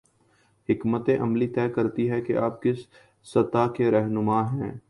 حکمت عملی طے کرتی ہے کہ آپ کس سطح کے رہنما ہیں۔